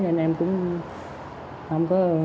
nên em cũng không có